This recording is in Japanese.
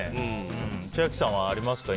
千秋さんはありますか？